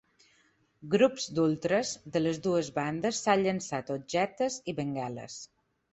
Grups d’ultres de les dues bandes s’han llançat objectes i bengales.